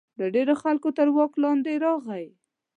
د ډېرو خلکو تر واک لاندې راغی.